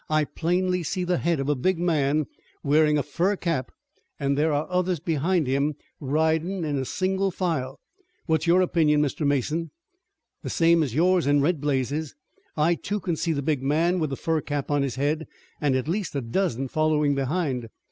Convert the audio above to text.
I plainly see the head of a big man, wearing a fur cap, an' there are others behind him, ridin' in single file. What's your opinion, Mr. Mason?" "The same as yours and Red Blaze's. I, too, can see the big man with the fur cap on his head and at least a dozen following behind.